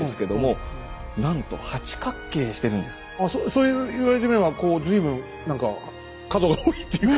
そう言われてみればこう随分何か角が多いっていうか。